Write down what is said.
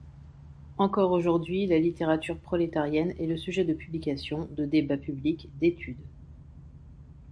Encore aujourd'hui, la littérature prolétarienne est le sujet de publications, de débats publics, d'études...